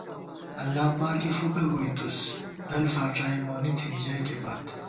اللہ پاکےفُکہ گُتېس، ڈل فاڄائی مونی تھنی ژئیکےپت